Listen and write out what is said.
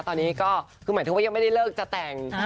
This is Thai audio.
ตอนนี้ก็คือหมายถึงว่ายังไม่ได้เลิกจะแต่ง